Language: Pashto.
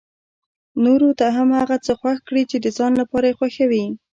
نورو ته هم هغه څه خوښ کړي چې د ځان لپاره يې خوښوي.